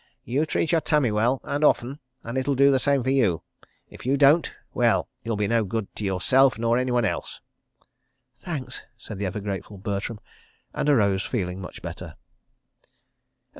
You treat your tummy well—and often—and it'll do the same for you. ... If you don't, well, you'll be no good to yourself nor anyone else." "Thanks," said the ever grateful Bertram, and arose feeling much better.